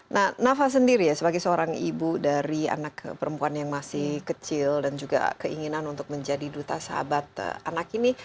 nah nafa sendiri ya sebagai seorang ibu dari anak perempuan yang masih kecil dan juga keinginan untuk menjadi duta sahabat anak ini